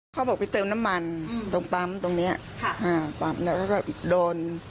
เขาบอกไปเติมน้ำมันตรงปั๊มตรงเนี้ยค่ะอ่าปั๊มแล้วก็โดน